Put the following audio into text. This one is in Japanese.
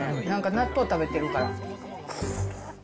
納豆食べてるから。